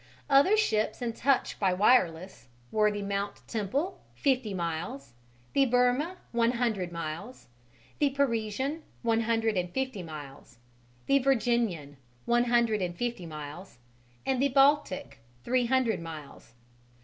Other ships in touch by wireless were the Mount Temple, fifty miles; the Birma, one hundred miles; the Parisian, one hundred and fifty miles; the Virginian, one hundred and fifty miles; and the Baltic, three hundred miles.